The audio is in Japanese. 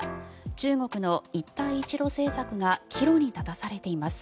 中国の一帯一路政策が岐路に立たされています。